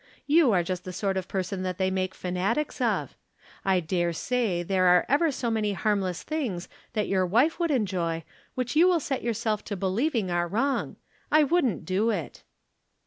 You are just the sort of person that they make fanatics of. I dare say there are ever so many harmless things that your wife would enjoy wliich you will set yourself to believing are wrong. I wouldn't ck) it."